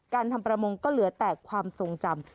การทำประมงก็เหลือแต่ความทรงจำ